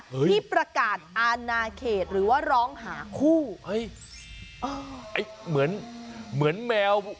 ที่ประกาศอาณาเขตหรือว่าร้องหาคู่เฮ้ยเออไอ้เหมือนเหมือนแมว